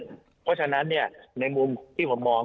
เพราะฉะนั้นเนี่ยในมุมที่ผมมอง๗๕๓